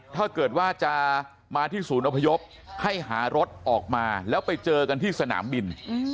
ถ้าเกิดว่าจะมาที่ศูนย์อพยพให้หารถออกมาแล้วไปเจอกันที่สนามบิน